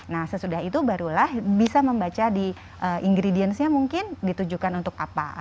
nah sesudah itu barulah bisa membaca di ingredients nya mungkin ditujukan untuk apa